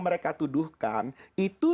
mereka tuduhkan itu